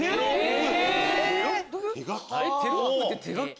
テロップって手書き？